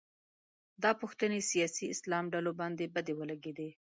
دا پوښتنې سیاسي اسلام ډلو باندې بدې ولګېدې